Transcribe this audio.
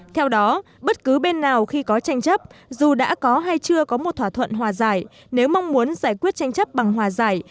theo đó bất cứ bên nào khi có tranh chấp dù đã có hay chưa có một thỏa thuận hòa giải nếu mong muốn giải quyết tranh chấp bằng hòa giải